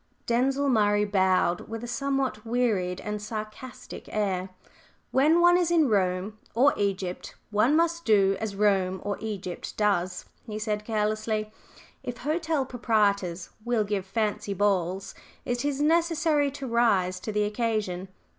Denzil Murray bowed with a somewhat wearied and sarcastic air. "When one is in Rome, or Egypt, one must do as Rome, or Egypt, does," he said, carelessly. "If hotel proprietors will give fancy balls, it is necessary to rise to the occasion.